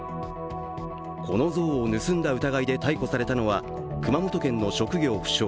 この像を盗んだ疑いで逮捕されたのは熊本県の職業不詳